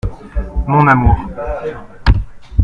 Mon amour.